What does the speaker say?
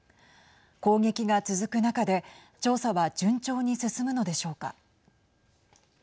攻撃が続く中で調査は順調に進むのでしょうか。